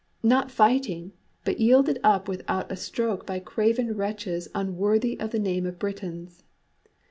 not fighting, but yielded up without a stroke by craven wretches unworthy of the name of Britons!